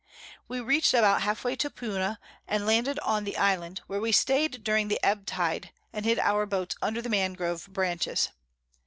We reach'd about half way to Puna, and landed on the Island, where we staid during the Ebb Tide, and hid our Boats under the Mangrove Branches.